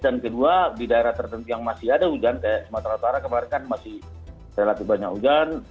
dan kedua di daerah tertentu yang masih ada hujan kayak sumatera tara kemarin kan masih relatif banyak hujan